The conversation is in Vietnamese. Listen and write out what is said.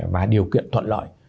và điều kiện thuận lợi